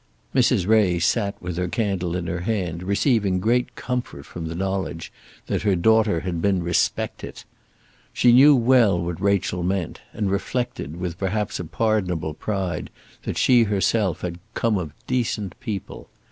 Mrs. Ray sat with her candle in her hand, receiving great comfort from the knowledge that her daughter had been "respectit." She knew well what Rachel meant, and reflected, with perhaps a pardonable pride, that she herself had "come of decent people."